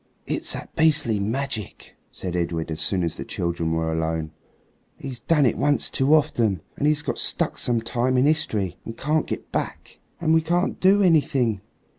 "It's that beastly magic," said Edred as soon as the children were alone. "He's done it once too often, and he's got stuck some time in history and can't get back." "And we can't do anything.